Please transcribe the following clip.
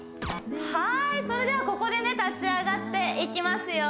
はいそれではここで立ち上がっていきますよ